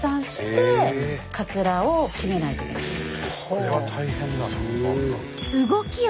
これは大変だ。